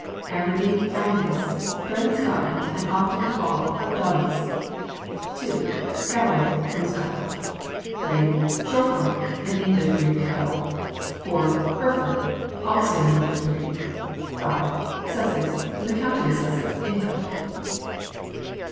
Aberdeen Angus, bred in Scotland, and often called doddies. 2. Galloway, from Scotland. 3. Shorthorn, an English breed of cattle. 4. Hereford, also an English breed. 5. Sussex, from the county of Sussex, England.